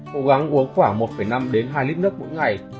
cố gắng uống khoảng một năm đến hai lít nước mỗi ngày